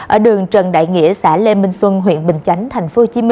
ở đường trần đại nghĩa xã lê minh xuân huyện bình chánh tp hcm